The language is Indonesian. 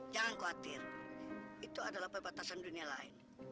jangan khawatir itu adalah perbatasan dunia lain